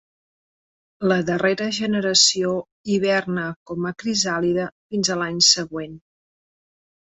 La darrera generació hiverna com a crisàlide fins a l'any següent.